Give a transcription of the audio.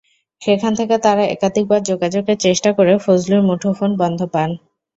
সেখান থেকে তাঁরা একাধিকবার যোগাযোগের চেষ্টা করে ফজলুর মুঠোফোন বন্ধ পান।